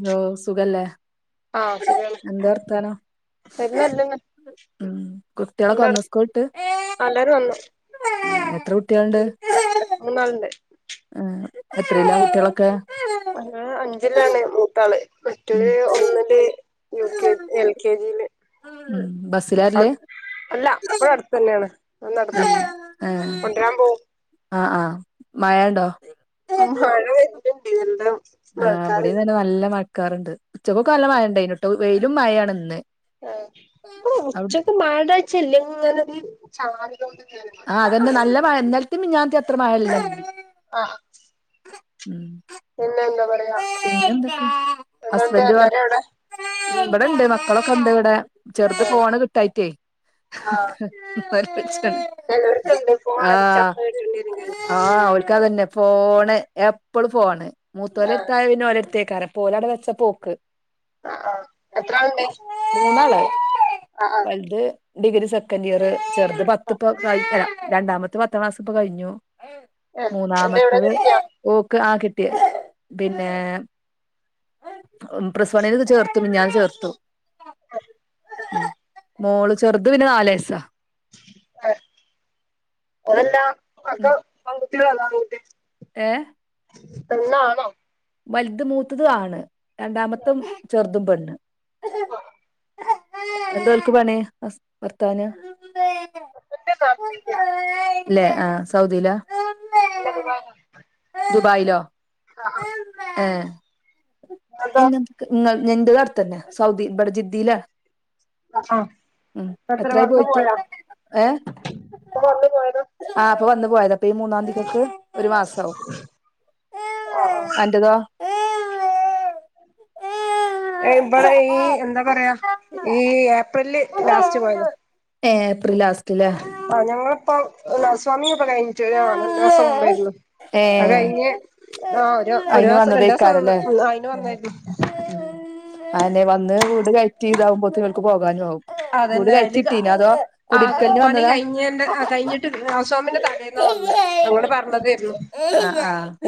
Hello സുഖല്ലേ ആഹ് സുഗാണ് എന്താ ഇന്നല്ലന്ന് ഉ കുട്ടികളെക്കെ വന്ന സ്കൂൾ വിട്ട് എല്ലാരും വന്നു എത്ര കുട്ടികളുണ്ട് മൂന്നാളുണ്ട് ആഹ് എത്രല്ല കുട്ടികളൊക്കെ ആഹ് അഞ്ചിലാണ് മൂത്താള് ഉം മറ്റവരു ഒന്നില് യു കെ എൽ കെ ജിയില് ഉം ബസ്സിലാ അഹ് വരല് അല്ല അപ്പഴ അടുത്ത് തന്നെയാണ് നടന്ന ഏഹ് കൊണ്ടിരാൻ പോകും ആഹ് ആഹ് മഴണ്ടോ മഴ വരുന്നുണ്ട് ന്താവോ ആഹ് ഇവിടെയും തന്നെ നല്ല മഴക്കാറുണ്ട് ഉച്ചക്കൊക്കെ നല്ല മഴ ഇണ്ടെനിട്ടോ വെയിലും മഴയാണ് ഇന്ന് ആഹ് അപ്പൊ അവിടെ ഉച്ചക്കെ മഴണ്ടോച്ചാ ഇങ്ങനെ ചാ ആഹ് അതന്നെ നല്ല മഴ ഇന്നലത്തെ മിഞ്ഞാത്തെ അത്ര മഴല്ല ആഹ് ഉം പിന്നെന്താ പ പിന്നെന്ത് ഹസ്ബൻഡ് വർക്ക് എല്ലാരും അവിടെ ഇവിടെണ്ട് മക്കളൊക്കെ ഉണ്ട് ഇവിടെ ചെറുത് ആഹ് ഫോണ് കിട്ടായിറ്റേ ആഹ് ചിലർക്കുണ്ട് ഫോൺ ആഹ് അടിച്ചപ്പ കിട്ടേണ്ടിരും കൈക്ക് ആഹ് ഓല്ക്ക് അതന്നെ ഫോണ് എപ്പോഴും ഫോണ് മൂത്തോല ആഹ് അടുത്തായ പിന്നെ ഓല എടുത്തേക്കാരം ഇപ്പൊ ഒലെടെ വെച്ചപ്പോ ഓക്ക് ആഹ് ആഹ് എത്രളുണ്ട് മൂന്നാള് ആഹ് ആഹ് വലുത് ഡിഗ്രി സെക്കൻഡ് ഇയർ ചെറുത് പത്തിപ്പോ കഴിഞ്ഞ രണ്ടാമത്തെ പത്താം ക്ലാസ്സ്‌ ഇപ്പോ കഴിഞ്ഞു ഏഹ് എന്റെ ഇവിടെ മൂന്നാമത്ത കിട്ടിയോ ഓക്ക് ആഹ് കിട്ടിയ പിന്നെ പ്ലസ് വൺ ചേർത്തു മിഞ്ഞാന്ന് ചേർത്തു ഉ മോള് ചെറുത് പിന്നെ നാല് വയസാ അതല്ലാ ഉം ഒക്കെ ആൺകുട്ടികളല്ല ആൺകുട്ടി ഏ പെണ്ണാണോ വലുത് മൂത്തത് ആണ് രണ്ടാമത്ത് ചെറു തും പണ്ണ് എന്ത് ഓൽക്ക് പണി ഭർത്താവിന് [inaudible] അല്ലെ ആഹ് സൗദിലാ? അല്ല ദുബായിൽ ആ ദുബായ്ലോ ആഹ് ആഹ ഇങ്ങളതോ എന്ത നിങ്ങ ഇന്റെതു അടുത്തെന്നെ സൗദി ഇവിടെ ജിദ്ദിയിലാ. ആഹ് ആഹ് അ എത്ര എത്രായി വന്ന് പോയിട്ട് ഏ പ്പൊ വന്നു പോയതാ ആ ഇപ്പൊ വന്ന് പോയതാ ഇപ്പൊ ഈ മൂന്നാം തിയതിക്ക് ഒരു മാസാവും ആഹ് ആഹ് അന്റെതോ? ഇവിടെ ഈ എന്താ പറയാ ഈ ഏപ്രില്ല് ലാസ്റ്റ് പോയത് ഏപ്രിൽ ലാസ്റ്റ് ല്ലേ ആഹ് ഞങ്ങളിപ്പൊ ഹൗസ് വാമിങ്ങിപ്പൊ കഴിഞ്ഞിട്ടില്ല്യ രണ്ടൂസം മുമ്പായിരുന്നു ഏ അത് കഴിഞ്ഞ് ആ ഒരു ഒരു അയിന് മാസം രണ്ടാസം നിന്ന് ഇന്ന് അയിനു വന്നായിരുന്നു [unintelligible] അയെന്നെ വന്ന് വീട് കയറ്റി ഇതാവുമ്പോത്തിനും ഓൽക്ക് പോകാനു ആവു അതന്നെ അതില് ആ കുടിരിക്കലിന് പണി വന്നതാ കഴിഞ്ഞേൻ്റെ കഴിഞ്ഞിട്ട് ഹൗസ് വാമിന്റെ തലേന്നാ വന്നേ ആ ഞങ്ങള് പറഞ്ഞതേരുന്നു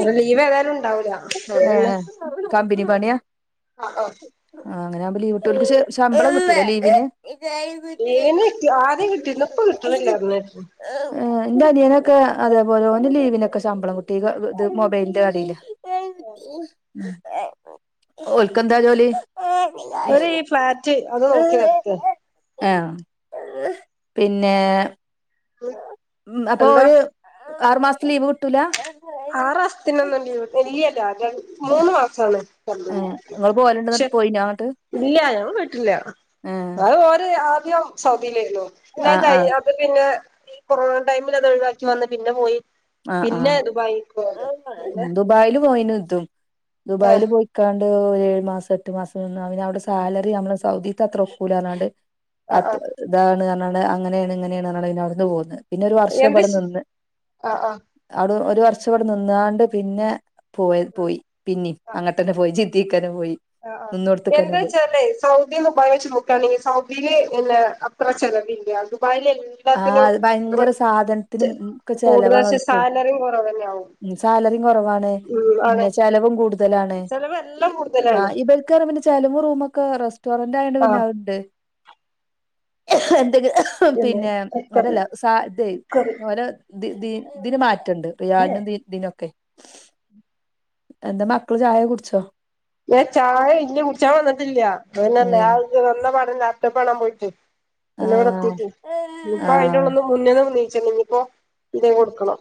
ഓ ഇവേതായാലുണ്ടാവ്ല്ല ഏഹ് കമ്പിനി പണിയാ? ആ ആ ആഹ് അങ്ങനാവുമ്പോ ലീവിട്ടൂ പഷേ ശമ്പളം കിട്ടൂലെ ലീവിന്? ഏഹ് ലീവിന് ആദ്യം കിട്ടിര്ന്ന് ഇപ്പൊ കിട്ട്ണ്ല്ല ർഞ്ഞ്കേട്ട്. ഇന്റെ അനിയെനൊക്കെ അതേപോലെ ഓന് ലീവിനൊക്കെ ശമ്പളം കിട്ടി വ ഇ ഇത് മൊബൈലിന്റെ കടീല് ഓൽക്കെന്താ ജോലി? ഒരു ഈ ഫ്ളാറ്റ് അത് നോക്കി നട്ത്താ ആഹ് പിന്നെ ഉം അപ്പൊ എന്താ ഒരു ആറുമാസത്തെ ലീവ് കിട്ടൂല? ആറാസത്തിന് ഒന്നും ലീവ് ഇല്ല്യോല്ല മൂന്ന് മാസാണ്. ഏഹ് ഇങ്ങള് പോവല്ണ്ട് ഷെ ന്നട്ട് പോയിനോ അങ്ങട്ട് ഇല്ല [unintelligible] വീട്ടിലാ ഏഹ് അത് ഓര് ആദ്യം സൗദീലേര്ന്നു പിന്നെ ആഹ് അത് ക അത് പിന്നെ ഈ കൊറോണ ടൈമിൽ അത് ഒഴിവാക്കി വന്ന് പിന്നെ പോയി ആഹ് ആഹ് കേക്കു അത് ദുബായില് പോയിന് ഇതും ദുബായിൽ ആഹ് പോയി ക്കാണ്ട് ഒര് ഏഴ് മാസം എട്ട് മാസം നിന്ന് അയ്ല് അവടെ സാലറി നമ്മളെ സൗദിത്ത് അത്ര ഒക്കൂലർഞ്ഞാണ്ട് ആഹ് അത് ആഹ് ഇതാണ് അർഞ്ഞാണ്ട് അങ്ങനെയാണ് ഇങ്ങനെയാണ് അർഞ്ഞാണ്ട് പിന്നവ്ട്ന്ന് പോന്ന് പിന്നെ ഒരു വർഷം ഇവിടെ എന്തിഷ് നിന്ന് അഹ് ആഹ് അവിടെ ഒരു വർഷം ഇവടെ നിന്നാണ്ട് പിന്നെ പോയ പോയി പിന്നിം അങ്ങട്ടന്നെ പോയി ജിദ്ധീക്കന്നെ പോയി അഹ് ആഹ് നിന്നോട്ത്ത്ക്കന്നെ പോയി എന്താച്ചാലേ സൗദി ദുബായി വെച്ച് നോക്കാണെങ്കിൽ സൗദയിയില് എന്നന്നെ അത്ര ചെലവില്ല ദുബായി ആഹ് അത് ഭയങ്കര സാധൻത്തിനും ഒക്കെ കൂടുതൽ പക്ഷെ ചെലവാണോൽക്ക് സാലറിയും കുറവന്നെ ആവും ഉം സാലറിം കൊർവാണ് ഉം ആണ് പിന്നെ ചെലവും കൂട്തലാണ് ചെലവെല്ലാം കൂടുതലാണ് ആഹ് ഇവർക്കർഞ്ഞ പിന്നെ ചെലവും റൂമൊക്കെ റെസ്റ്റോറന്റ് ആയണ്ട് പിന്നെ ആഹ് അത എന്തെ പിന്നെ അതല്ല സ ഇത കുക്കറ് ഓരോ തി തീ ഇതിന് മാറ്റണ്ട് ഏഹ് റിയാലിനും തീ തി നൊക്കെ എന്താ മക്കള് ചായ കുടിച്ചോ ചായ ഇല്ല കുട്ച്ചാ വന്നിട്ടില്ല അയ്ഞ്ഞർ ഉം ഞ്ഞെ [unintelligible] വന്ന പാടന്നെ ലാപ്ടോപ്പ് കാണാൻ പോയിട്ട് പിന്നെ ഇവടെ ആഹ് എത്തിട്ടേ ഇപ്പോ അയിന്റെ ആഹ് ഇള്ന്ന് മുന്ന്ന്ന് നിങ്ങിപ്പോ ഇതേ കൊടുക്കണം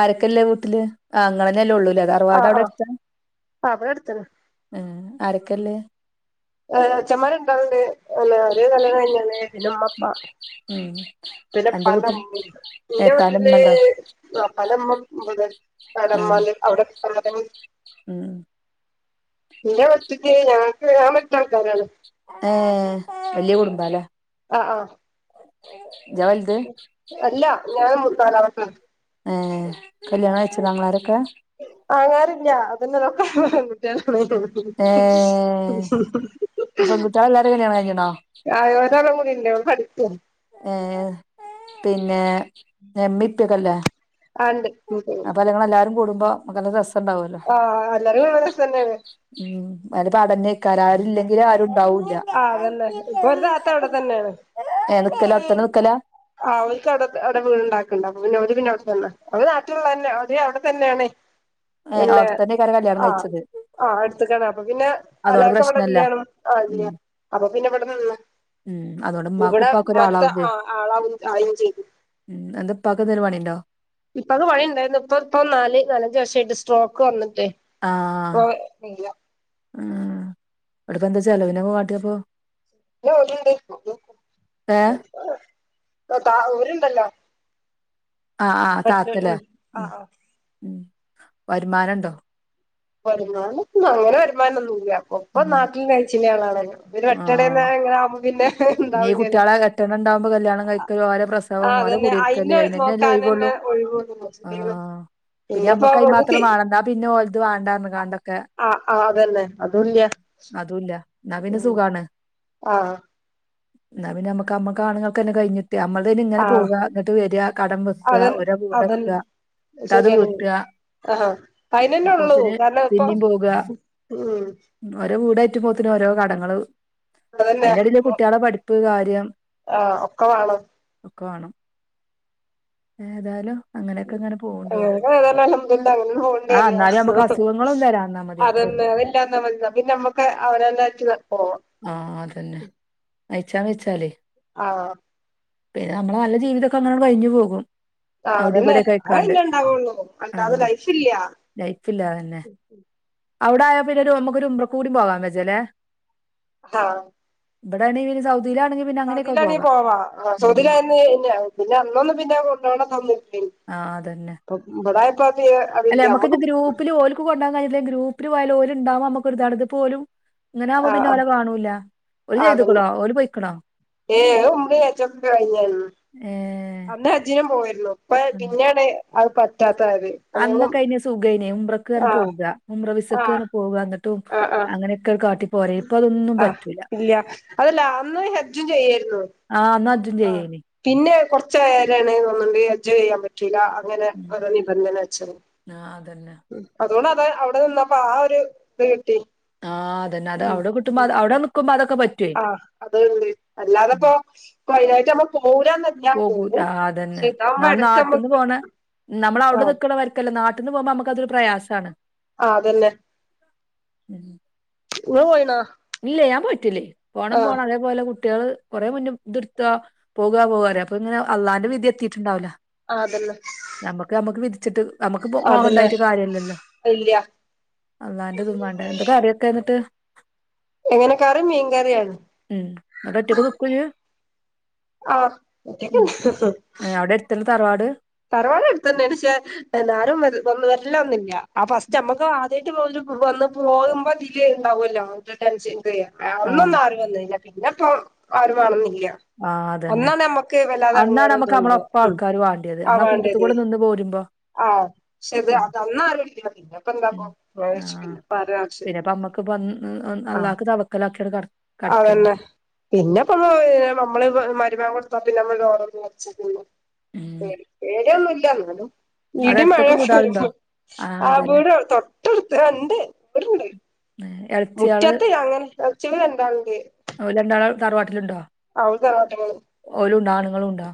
ആരക്കല്ലേ വീട്ടില് ആ ഇങ്ങളന്നെല്ലേ ഉള്ളൂലേ അതാ [unintelligible] പാട ആഹ് അവടെ ആഹ് എട്ത്താ ആഹ് ഇവിടെ അടുത്തന്നെ ഉം ആരൊക്കല്ലേ എളച്ചന്മാര് രണ്ടാള്ണ്ട് പിന്നെ അത് കല്യാണം കഴിഞ്ഞാണ് പിന്നെ ഉമ്മപ്പാ ഉം പിന്നെ അന്റെ വീട്ടിൽ ഉപ്പാന്റമ്മ ഇന്റെ ഏപ്പാന്റെ വീട്ടില് ഇമ്മണ്ടോ വാപ്പൻ്റെമ്മ ഇവടെ അവടെ ആഹ് ഉമ്മാൻ്റെ [unintelligible] അവടെ [unintelligible] ഉം എന്റെ വീട്ടിക്ക് ഞങ്ങക്ക് ഞാൻ പെരുത്ത ആൾക്കാരാണ് ആഹ് വലിയ കുടുംബാല്ലേ അഹ് ആഹ് ജ വൽ അല്ല ഞാൻ മൂത്തോലാ പർഞ്ഞേ ഏഹ് കല്യാണം കയ്ച്ച്ണോ ആങ്ങളാരൊക്കെ ആങ്ങളാരില്ല അതന്നെ ഏഹ് [unintelligible] [unintelligible] പെൺകുട്ടികളെല്ലാരും കല്യാണം കഴിഞ്ഞ്ണോ ആഹ് ഒരാള് കൂടിണ്ട് അവള് പഠിക്ക ഏഹ് പിന്നെ ഉമ്മി ഇപ്പക്ക ഇല്ലാ ആഹ് ഇണ്ട് അപ്പ നിങ്ങളെല്ലാരും കൂടുമ്പോ നല്ലരസ സം ഉണ്ടാവുവല്ലോ ആഹ് എല്ലാരും ഒരേസം തന്നെയാണ് ഉം അടഞ്ഞിക്കാ ആരില്ലെങ്കിലും ആരുണ്ടാവൂല്ല ആഹ് അതന്നെ ഇപ്പൊ ഒരു താത്ത അവിടെ ഏഹ് തന്നെയാണ് [unintelligible] ആഹ് അവർക്ക്ടെ അവിടെ വീടുണ്ടാക്കണ്ടാ പിന്നെ അവിടെ തന്നെ അവ നാട്ടിലുള്ള തന്നെ ഒ അവിടെ തന്നെയാണേ ഏഹ് അവിടുത്തന്നയണ ഇക്ക കല്യാണം കഴിച്ചത് ആഹ് അടുത്ത്ക്കണ് അപ്പൊ പിന്നെ അതോണ്ട് അലക്കെ ഇവിടെ പ്രശ്നല്ല ഇല്യാണം ഉം ആഹ് അപ്പൊ പിന്നെ ഇവിട നിന്ന് ഉം അതോണ്ട് ഉമ്മാക്കും ഇവിടെ ഉപ്പാക്കും ഉന്മന്റെ ഒരാളാവും ആഹ് ആളാവും ആളുകയും ചെയ്തു അന്റെ ഉപ്പാക്കെന്തെങ്കിലും പണി ണ്ടോ ഉപ്പക്ക് പണി ഉണ്ടായിരുന്നു ഇപ്പൊ ഇപ്പൊ നാല് നാലഞ്ച് വർഷമായിട്ട് സ്ട്രോക്ക് വന്നിട്ട് ആഹ് ഉം അവിടപോ ചെലവിന് കാട്ടിയപ്പൊ ഒര് ഏ മോനുണ്ട് ഓര്ണ്ടല്ലോ ആഹ് ആഹ് താത്തല്ലേ ഉം ആഹ് ആഹ് വരുമാനം ഉണ്ടോ വരുമാനം അങ്ങനെ വരുമാനം ഒന്നും ഇല്ല ഉപ്പ ഉം നാട്ടിൽ കഴിച്ചില്ല ആളാണല്ലോ ര് ആഹ് വെട്ടണന്ന ഇങ്ങനെ ആകുമ്പ പിന്നെ ഇനി ഈ ഇണ്ടാവില്ലല്ലോ കുട്ട്യാളെ എട്ടെണ്ണം ഇണ്ടാവുമ്പോ കല്യാണം കഴിക്കല് ഓലെ പ്രസവം ആഹ് ഓലെ അതന്നെ കുടിയിരിക്കല് അയിന് അയിനന്നെല്ലേ നോക്കാൻ ഒഴിവൊള്ളൂ തന്നെ ഒഴിവൂന്ന പിന്നെമ്മക്ക്ക്കൈ മാത്രം വളന്നാ വേണ്ടാ പിന്നെ ഒള്ത് വേണ്ടന്ന് ആഹ് ആഹ് അതന്നെ അതുല്ലൃ അതുല ഉം ആഹ് എന്നാ പിന്ന നമുക്ക നമ്മക്കാണുൾക്കന്നെ കഴിഞ്ഞു നമ്മുടെന് ഇങ്ങനെ ആ പോവുക എന്നിട്ട് വരിക കടം വെക്കുക അതൻ ഓരോ വീട് വെക്കുക അത് വിട്ട്ക ആഹാ അതിനനന്നെ ഉള്ളൂ കാരണം ഇപ്പൊ പിന്നിം പോകാ ഉ ഓരോ വീടയറ്റുമ്പോത്തിന് ഓരോ കടങ്ങള് അതന്നെ അതിന്റെടെക്ക് കുട്ടികളെ പഠിപ്പ് കാര്യം ആ ഒക്കെ വേണം ഒക്കെ വേണം ഏതായാലും അങ്ങനെയൊക്കെ ഇങ്ങനെ പോവ്ണ്ട് ഓരോ അങ്ങനെ ഏതൽ അൽഹംദുലില്ല അങ്ങന ആഹ് പോകണ്ടേറിയ ന്നാലും നമ്മക്ക് അസുഖങ്ങളും വരാന്നാ മതി അത്രൊള്ളൂ അതന്ന അല്ലാന്നാ പിന്നെ നമ്മുക്ക് അവനന്നട്ട് പോവ ആഹ അതന്നെ അയച്ചാൻ വെച്ചാലേ ആഹ് പിന്ന നമ്മള നല്ല ജീവിതൊക്കെ അങ്ങനങട് കഴിഞ്ഞു പോകും ആ അവടിം അതന്നെ ഇവടിം ഒക്കെ ആയിക്കാണ്ട് അന്നെ ഇണ്ടാവുള്ളൂ അല്ലാത ആഹ് ലൈഫില്ല്യ ലൈഫില്ല അതന്നെ അവിടയാ പിന്നൊരു അമ്മക്കൊരു ഉമ്രക്കൂടി പോവാൻ പജ്ജല്ലേ [unintelligible] ഇവിട [unintelligible] സൗദി [unintelligible] സൗദിയിലാണീ പോവാ സൗദയിലായിന്ന് പിന്നെ അന്നൊന്ന് പിന്നെ കൊണ്ടോണ തോന്നി ആഹ് അതന്നെ [unintelligible] അല്ലെ നമ്മക്ക് നമുക്കി ഗ്രൂപ്പില് ഓലക്ക് കൊണ്ടാൻ കഴിയില്ലേ ഗ്രൂപ്പിൽ പോയാൽ ഓല ഉണ്ടാകും നമുക്ക്‌ ഒരു ഇതാണ് ഇത് പോലും ഇങ്ങനാമ്പോ ആ പിന്നെ ഓരെ കാണൂല ഓര് ചെയ്ത്ക്കണോ ഓര് പൊയ്ക്കണോ [unintelligible] ഏ ജിനും പോയിരുന്നു പ്പ പിന്നാണേ അത് പറ്റാത്തായത്‌ അന്നൊക്കയ്ഞ്ഞ സുഖേനേ ഉുമ്രക്ക് തനെ പോവുക ആ ഉുമ്രവിസക്ക് തനെ പോകുക എന്നിട്ടും അങ്ങനെ കേൾക്കാ ആഹ് ഇല്ല അതല്ല അന്ന് ഹജ്ജും ചെയ്യാരുന്നു ആഹ് അന്നജും ചെയ്യേലെ പിന്നെ കൊറച്ച് പേരാണ് പോന്ന്ണ്ട് എൻജോയ് ചെയ്യാൻ പറ്റും ട്ടിലാ അങ്ങനെ ഉം. ഓരോ നിബന്ധന വെച്ചെ ആ അതന്നെ ഉ അതുകൊണ്ട് അത അവിടെ നിന്നപ്പ ആ ഒരു ഇത് കിട്ടി ആഹ്തന്നെ ഉം അതവിടെ കിട്ടുമ്പോ അടെ നിക്കുമ്പാതക്കെ പറ്റുവേ അത [unintelligible] ഉം. അല്ലാതപ്പോ പ്പൊ ഐനായിട്ട് നമ്മ പോവൂലാ [unintelligible] പോകൂ ആ അതന്നെ നാൾ നാട്ടിൽന്ന് നമ്മക്ക് പോണ നമ്മള അവിടെ ആഹ് നിക്കണവർ ക്കല്ല നാട്ടിന്ന് പോമ്പ നമുക്കതൊര് പ്രയാസാണ് ആഹ് അതന്നെ ങ്ങള് പൊയിനാ ഇല്ലെ ഞാൻ പോയിട്ടില്ലേ പോണം പോണം അതേപോലെ കുട്ടികള് കൊറെ മുന്നുംഇതെടുത്ത പോകാ പോകാെപറയും അപ്പൊ ഇങ്ങനെ അല്ലാന്റെ വിധി എത്തിയിട്ടുണ്ടാവില്ല ആ അതന്നെ നമ്മുക്ക് നമ്മുക്ക് വിധിച്ചിട്ട് നമ്മുക്ക് മോഹം അതന്നെ ഇണ്ടായിട്ട് കാര്യം ഇല്ലല്ലോ ഇല്ല അള്ളാന്റെ ദുമാണ്ട് എന്ത് കറിയൊക്കെയാ ഇന്നിട്ട് എങ്ങനെ കറി മീൻ കറിയാണ് ഉം അത് ഒറ്റക്കു നിക്കൂല ആഹ് ഒറ്റയ്ക്ക് [inaudible] ത്തിൽ തറവാട് തറവാട് അടുത്ത് തന്നെയ പക്ഷേ എന്നാരും വര വന്ന വരില്ല ഫസ്റ്റ് നമ്മക്ക് ആദ്യമായിട്ട് പോവന്ന് പോകുമ്പോ അതി ല്ലേ ഉണ്ടാവുമല്ലോ ഒരു ടെൻഷൻ ഒക്കെ ആ അന്നൊന്നും ആരും വന്നില്ല പിന്നെ ഇപ്പ ആരും വേണംന്നില്ല ആഹ് അത് തന്നെ അന്നാണ് നമ്മുക്ക് ഇതും നമ്മടെ ഉണ്ടാവ ഒപ്പം ഉം ആൾക്കാര് വേണ്ടിയത് ആഹ് നമ്മ ആ കൂട്ടത്തി വേണ്ടത് കൂടെ നിന്ന് പോരുമ്പോ ആഹ് പക്ഷെ അത് ഉം അതന്നാ ആരുമില്ല ഇല്ല പിന്നെ ഇപ്പ എന്താ പ്പൊ [unintelligible] പിന്നെ ഇപ്പൊ അമ്മക്ക് ഇപ്പം ഉം നല്ലാക്കു തവക്കലാക്കിയൊരു കട കടക്കന്നെ അതേല്ലേ പിന്നിപ്പോ നമ്മള് മരുമാൻ കൊടുത്ത പിന്നെ നമ്മള് [unintelligible] ഉം പേടി പേടിയൊന്നുല്ല എന്നാലും അവിടെ അടുത്തൊക്കെ ഇടിമഴയൊക്കെ വീടാളുണ്ടോ വരുമ്പോ ആഹ് വീട് തൊട്ടടുത്ത് ഒണ്ട് ഒരു വീട് ന്നേരെ മുറ്റത്ത്ങ്ങനെ കളിച്ച്ണരണ്ടാള്ണ്ട്. ഓൽ രണ്ടാൾ തറവാട്ടിലുണ്ടോ? അവര് തറവാട്ട്മേ ആണ് ഓലുണ്ടാ ആണുങ്ങളുണ്ടാ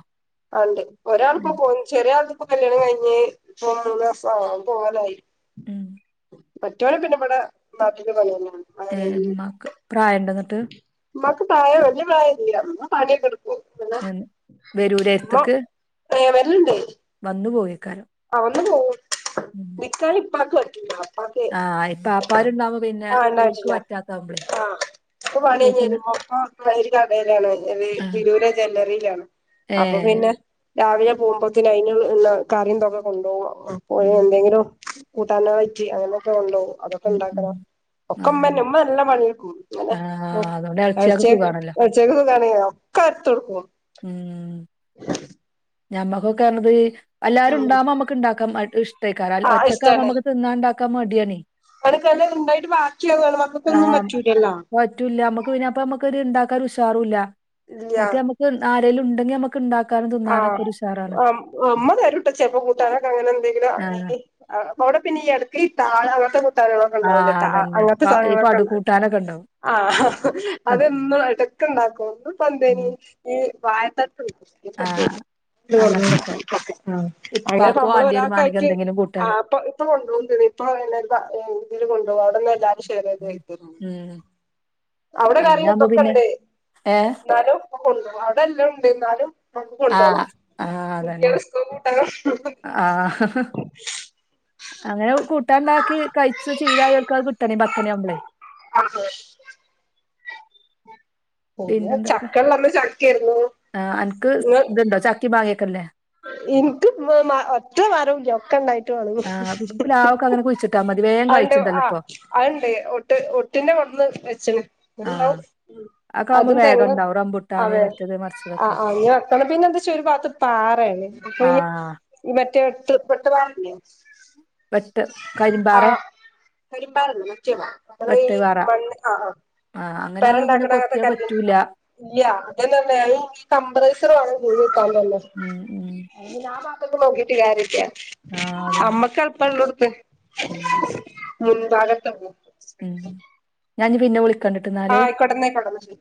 ആണ്ട് ഒരാൾപ്പോ പോയി ചെറിയാ ൾപ്പെ കല്യാണം കഴിഞ്ഞ് ഇപ്പം മൂന്നാസാവ്ണ് ഓം പോവാനായി. ഉം മറ്റേ ആള് പിന്നെമ്പടെ നാട്ടില് പണി തന്നയയാണ്. ഏഹ് ഉമ്മാക്ക് പ്രായോണ്ടന്നിട്ട്. മ്മാക്ക് പ്രയം വലിയ പ്രയം ഒന്നുല്ല ഉമ്മ പണിയൊക്കെട്ക്കും. എൻ വെരൂലെ. മ്മ ഏഹ് വെര്ല്ണ്ട്. വന്ന് പോയിക്കാരം. ആഹ് വന്ന് പോവും നിക്കല് ഇപ്പക്ക്പറ്റൂല. പ്പാക്കെ ആഹ് ഇപ്പാപ്പാരുണ്ടാവുമ്പോ പിന്നെ ആഹ് ഓൽക്ക് ണ്ടായിട്ടില്ല പറ്റാത്താവുമ്പളേ ആഹ്. പ്പൊ ഓൽക്ക് പണിഞ്ഞെരുമ്പേ പ്പൊ ഒരു കടെലാണ് ര് ആഹ് തിരൂര് ഒര് ജ്വല്ലറീലാണ്. അപ്പൊ ഏഹ് പിന്നെ. രാവിലെ പോവുമ്പോത്തിന് അയ്ന്ള്ള കറിം ഇതൊക്കെ കൊണ്ടേവും അപ്പൊയ് ഉം എന്തെങ്കിലും. കൂട്ടാനായിട്ട് അങ്ങനെക്കെ കെണ്ടോവും അതൊക്കെ ഉം ഉം ഉണ്ടാക്കണം. ഒക്കെ അതന്നെ മ്മന്നെ മ്മ നല്ല പണിയെട്ക്കും ങ്ങനെ ആഹ് അതോണ്ട് എ എളച്ചിയാക്ക് അട്ചേകു സുഖാണല്ലോ ചെകിട് നനയുവോ ഒക്കെ എടുത്ത് കൊടുക്കുവോ ഉം ഞമ്മക്കൊക്കാർന്നത് എല്ലാരും ഉം ഉണ്ടാവുമ്പോ നമ്മക്ക് ണ്ടാക്കാൻ മ ഇഷ്ടെയ്ക്കാരം. ആ ഒറ്റക്കാമ്പോ മ്മക്ക് തിന്നാണ്ടാക്കാൻ മടൃയാണെ. [unintelligible] ണ്ടായിട്ട് ബാക്കൃവാണ് മക്കക്കൊന്നും പറ്റൂലല്ലോ. റ്റുല്ല നമ്മക്ക് പിന്നെ അപ്പ മ്മക്കെരുണ്ടാക്കൊരുഷാറുല്ല, ഇല്ല മറ്റേ മ്മക്ക് ആരെലൂണ്ടെങ്കി നമ്മ ക്ക് ണ്ടാക്കാനും ത്‌ ന്നാനോക്കെ അ അ അമ്മ വരൂട്ടാ ചെൽപോ കൂട്ടാനൊക്കെ അങ്ങനെന്തെങ്കിലു ആഹ് അവടെപിന്നെ ഈ എടക്ക് ഈ താഴ അങ്ങൻത്തെ കുത്താനെളൊക്കെ ണ്ടാവൂലേ ആഹ് താ അതന്നെ അങ്ങൻത്തെ പ- ഈ സാധനങ്ങളൊക്കെണ്ട്. പടുകൂട്ടാനൊക്കെ ഉണ്ടാവും ആഹ് ഹ് ഹ് അതെന്നും എടക്ക്ണ്ടാക്കും ഇന്ന്പ്പന്തേനി ഉം ഈ വായത്തണ്ട് [unintelligible] ആഹ്. ന്ത് പറഞ്ഞു അങ്ങനത്തൊക്കെ അ അങ്ങനെ ഇപ്പാക്ക് അമ്മള് വാണ്ടി വരും വാണെങ്കി ഒരാൾക്കായിട്ട് എന്തെങ്കിലും കൂട്ടാൻ ആപ്പൊ ഇപ്പ കൊണ്ടേവുതിന് ഇപ്പ എല്ലാര്ക്ക തില് കൊണ്ടേവും അവിടെല്ല എല്ലാര്ക്കിഷ് ചെറിയെതെയ്ക്ണു ഉം അവ്ടെ കറി അങ്ങനെ ആവുമ്പോ പിന്നെ തെക്കെണ്ട് ഏഹ് ന്നാലും കൊണ്ട്അവടെല്ലണ്ട് ന്നാലും ആഹ് ആഹ് അതെന്നെ സ്കൂൾ കൂട്ടാൻ ആഹ് ഹ് ഹ്. അങ്ങനെ കൂട്ടാണ്ടാക്കി കഴിച്ച് ചീലായേര്ക്ക് അത് കിട്ടണേ പത്തെണിയാവുമ്പളെ. [unintelligible] ഒന്ന് പിന്നെന്തൊക്കെ ചക്കള്ളന്ന് ചക്കെര്ന്നു. ആഹ് അൻക്ക് ത്ണ്ടോ, ചക്കിം, മാങ്ങിയെക്കെല്ലേ? ഇൻക്ക് മ് മാ ഒറ്റ മരൂല്ലൃ ഒക്കെണ്ടായി ട്ട് ഹ് ആഹ് ഹ്ഹ് ഹ് പ്ലാവൊക്കെ അങ്ങനെ കുഴിച്ചിട്ടാ മതി വേഗം അഹ്ണ്ട് കായ്ച്ചുണ്ടല്ലോ ആഹ് ഇപ്പൊ അഹ്ണ്ട് ഒ ഒട്ട് ഒട്ടിന്റെ കൊട്ന്ന് വെച്ച്ണ് ആഹ് അഹ്ണ്ടാവും. അതൊക്കെ ആവുമ്പോ അതും വേഗം തെങ്ങ് ഉണ്ടാവും റംബുട്ടാന് അവെ മറ്റേത് അ മറിച്ചതൊക്കെ ആ ഞി വെക്കണം പിന്നെന്താച്ചാ ഒരുപാത്ത് പാർ പ്പൊണ്, ആഹ് ഈ മറ്റേ ട്ട് വെട്ട്പാറല്ലെ. വെട്ട് കരിമ്പാറെ? കരിമ്പാറെല്ലാ മറ്റെവാ. മ്മളെ ഈ വെട്ട് പാറ മണ്ണ് ആ ആ ആഹ് അങ്ങനെ ആവുമ്പോ പിന്നെ പെരണ്ടാക്ക്ണങ്ങൻത്തെ കൊത്തിയാ കല്ല്. പറ്റൂല ഇല്ലൃ, അതെന്താന്നാ ഈ കംപ്രൈസർ വേണം കുഴികുത്താൻ തെന്നെ. ഉം ഉം ഞി ആ പാത്ക്ക് നോക്കീട്ട് കാരൃല്ലൃ ആഹ് അതന്നെ അമ്മക്കെൾപ്പള്ളേട്ത്ത്. ഉം, മുൻ ഭാഗത്തന്നെ ഉം, ഞാൻ ഞ്ഞി പിന്നെ വിളി ആഹ്, ആയിക്കോട്ട ന്നെയിക്കൊട്ടേ എന്നാ ശരി.